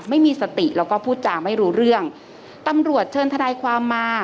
ไม่มีสติแล้วก็พูดจาไม่รู้เรื่องตำรวจเชิญทนายความมา